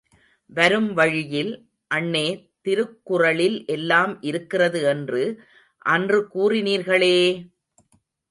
வரும் வழியில், அண்ணே திருக்குறளில் எல்லாம் இருக்கிறது என்று அன்று கூறினீர்களே!